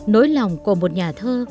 nỗi lòng của một nhà thơ